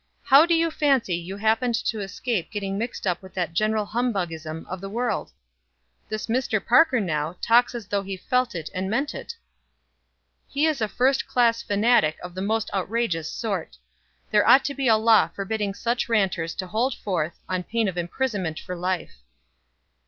How do you fancy you happened to escape getting mixed up with the general humbugism of the world? This Mr. Parker, now, talks as though he felt it and meant it." "He is a first class fanatic of the most outrageous sort. There ought to be a law forbidding such ranters to hold forth, on pain of imprisonment for life."